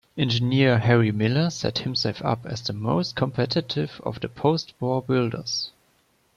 Engineer Harry Miller set himself up as the most competitive of the post-war builders.